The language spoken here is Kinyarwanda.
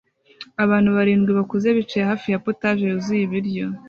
Abantu barindwi bakuze bicaye hafi ya POTAGE yuzuye ibiryo